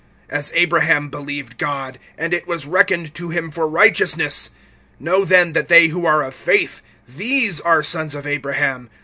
(6)As Abraham believed God, and it was reckoned to him for righteousness. (7)Know then that they who are of faith, these are sons of Abraham.